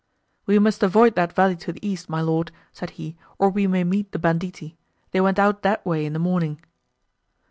"We must avoid that valley to the east, my Lord," said he, "or we may meet the banditti; they went out that way in the morning."